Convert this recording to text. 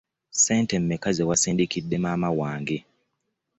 ssente meka zewasindikide maama wange?